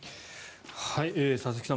佐々木さん